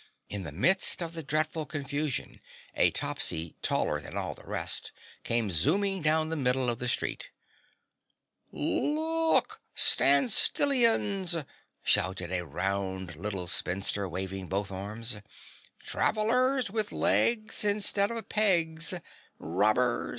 In the midst of the dreadful confusion, a Topsy taller than all the rest came zooming down the middle of the street. "Look! STAND STILLIANS!" shouted a round little spinster waving both arms. "Travelers with legs instead of pegs. Robbers!